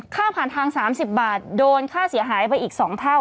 ค่าผ่านทาง๓๐บาทโดนค่าเสียหายไปอีก๒เท่า